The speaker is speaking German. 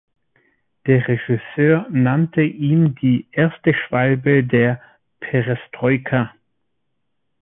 Der Regisseur nannte ihn die "„erste Schwalbe der Perestroika“".